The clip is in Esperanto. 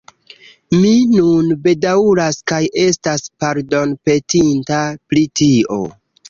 Mi nun bedaŭras kaj estas pardonpetinta pri tio.